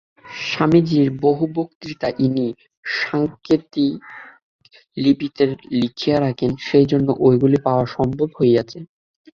স্বামীজীর বহু বক্তৃতা ইনি সাঙ্কেতিকলিপিতে লিখিয়া রাখেন, সেইজন্যই ঐগুলি পাওয়া সম্ভব হইয়াছে।